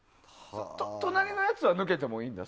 隣のやつは抜けてもいいんだ？